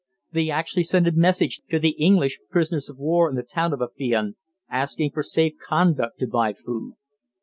They actually sent a message to the English prisoners of war in the town of Afion, asking for safe conduct to buy food.